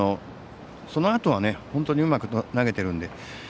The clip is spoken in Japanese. そのあとは、本当にうまく投げているので。